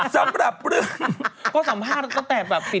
สามสำหรับเรื่องก็สัมภาษณ์ก็แตกแบบปิดอย่างงั้น